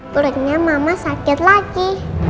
perutnya mama sakit lagi